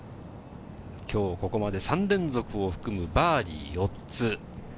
今日ここまで３連続を含むバーディー４つ。